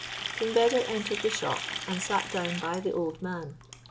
King Beder entered the shop, and sat down by the old man.